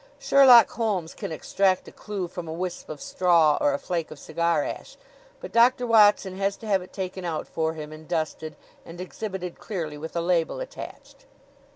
Sherlock Holmes can extract a clew from a wisp of straw or a flake of cigar ash; but Doctor Watson has to have it taken out for him and dusted, and exhibited clearly, with a label attached.